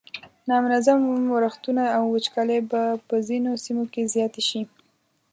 نامنظم ورښتونه او وچکالۍ به په ځینو سیمو کې زیاتې شي.